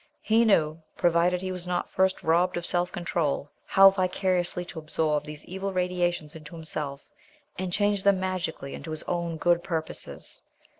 He knew provided he was not first robbed of self control how vicariously to absorb these evil radiations into himself and change them magically into his own good purposes.